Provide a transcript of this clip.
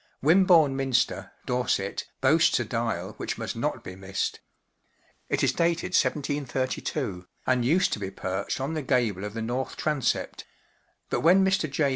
Wimborne Minster, Dorset, boasts a dial which must not be missed* It is dated 1732, and used to be perched on the gable of the north transept; but when Mr, J.